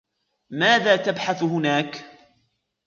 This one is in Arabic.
ماذا تبحث هناك؟